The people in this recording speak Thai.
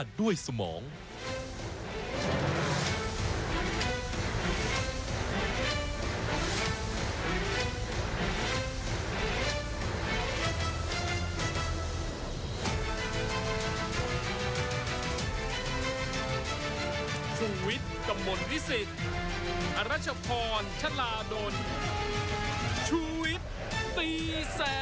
สวัสดีค่ะ